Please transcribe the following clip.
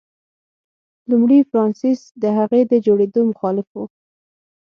لومړي فرانسیس د هغې د جوړېدو مخالف و.